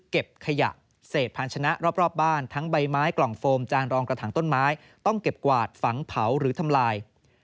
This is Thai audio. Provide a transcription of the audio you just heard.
เก็บขยะเศษพันธนะรอบบ้านทั้งใบไม้กล่องโฟมจานรองกระถังต้นไม้ต้องเก็บกวาดฝังเผาหรือทำลาย